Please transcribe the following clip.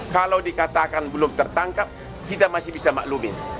kalau dikatakan belum tertangkap kita masih bisa maklumin